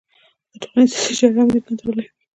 د ټولنې سیاسي چارې هم دوی کنټرولوي